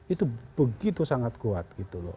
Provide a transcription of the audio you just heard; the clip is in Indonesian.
itu begitu sangat kuat gitu loh